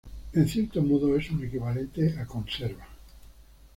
En cierto modo es un equivalente a conserva.